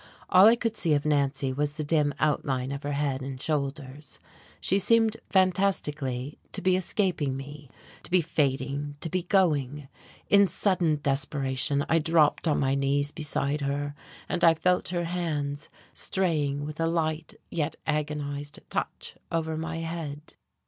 All I could see of Nancy was the dim outline of her head and shoulders: she seemed fantastically to be escaping me, to be fading, to be going; in sudden desperation I dropped on my knees beside her, and I felt her hands straying with a light yet agonized touch, over my head.